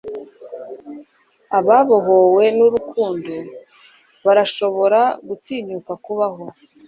ababohowe nurukundo barashobora gutinyuka kubaho